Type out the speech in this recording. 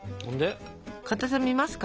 かたさ見ますか？